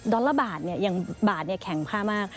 ดอลลาร์บาทเนี่ยอย่างบาทเนี่ยแข่งค่ามาก